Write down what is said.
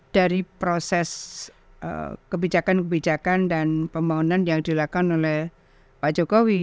dari proses kebijakan kebijakan dan pembangunan yang dilakukan oleh pak jokowi